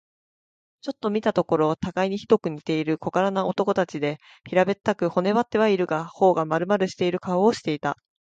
ちょっと見たところ、たがいにひどく似ている小柄な男たちで、平べったく、骨ばってはいるが、頬がまるまるしている顔をしていた。